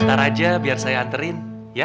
bentar aja biar saya anterin ya